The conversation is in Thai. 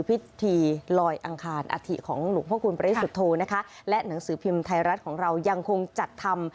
พิธีลอยอังคารอฐิของหลวงพระคุณปริสุทธโธนะคะและหนังสือพิมพ์ไทยรัฐของเรายังคงจัดทำ